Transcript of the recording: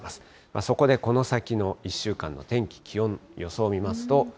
そこでこの先の１週間の天気、気温の予想見ますと。